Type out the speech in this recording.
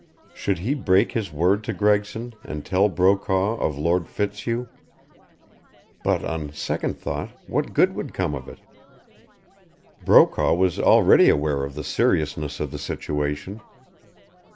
Should he break his word to Gregson and tell Brokaw of Lord Fitzhugh? But, on second thought, what good would come of it? Brokaw was already aware of the seriousness of the situation.